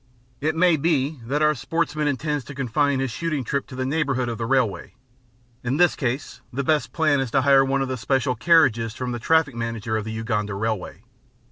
It may be that our sportsman intends to confine his shooting trip to the neighbourhood of the railway; in this case, the best plan is to hire one of the special carriages from the Traffic Manager of the Uganda Railway.